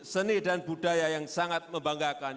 seni dan budaya yang sangat membanggakan